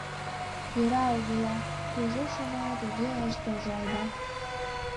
Йӧра огыла, кузе шона — туге ыштылже айда.